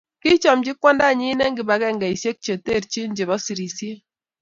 Kichomchi kwandanyi eng kibagengeisiek che terchin chebo serisiet